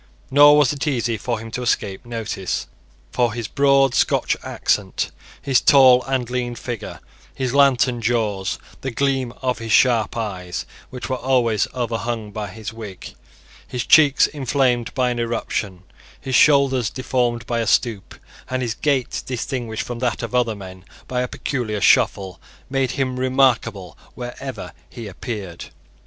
Nor was it easy for him to escape notice; for his broad Scotch accent, his tall and lean figure, his lantern jaws, the gleam of his sharp eyes which were always overhung by his wig, his cheeks inflamed by an eruption, his shoulders deformed by a stoop, and his gait distinguished from that of other men by a peculiar shuffle, made him remarkable wherever he appeared.